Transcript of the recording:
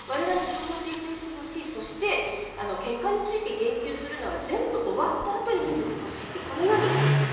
情報を提供してほしい、そして結果について言及するのは全部終わった後にさせてほしいと、このように言っています。